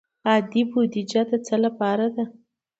عادي بودجه د څه لپاره ده؟